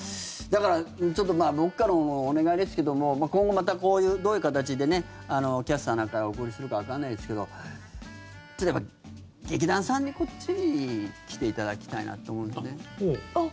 だから僕からのお願いですけども今後また、どういう形で「キャスターな会」をお送りするかわからないですけど劇団さんにこっちに来ていただきたいなと思うんですね。